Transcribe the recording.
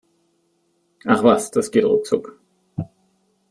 Ach was, das geht ruckzuck!